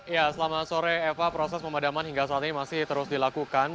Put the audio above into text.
ya selama sore eva proses pemadaman hingga saat ini masih terus dilakukan